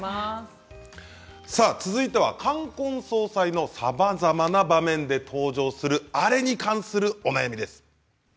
続いては冠婚葬祭のさまざまな場面で登場するあれに関するお悩みです。